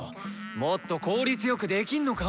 もっと効率よくできんのか？